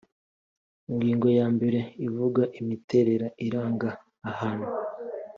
ingingo y mbere ivuga imiterere iranga ahantu